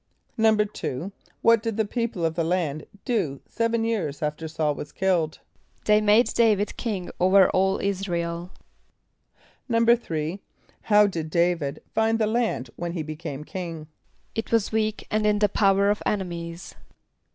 = =2.= What did the people of the land do seven years after S[a:]ul was killed? =They made D[=a]´vid king over all [)I][s+]´ra el.= =3.= How did D[=a]´vid find the land when he became king? =It was weak and in the power of enemies.